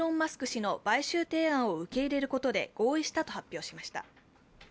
氏の買収提案を受け入れることで合意したと発表しました。